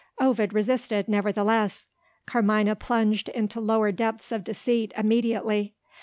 Ovid resisted, nevertheless. Carmina plunged into lower depths of deceit immediately.